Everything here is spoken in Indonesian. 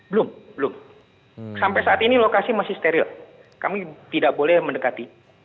belum belum sampai saat ini lokasi masih steril kami tidak boleh mendekati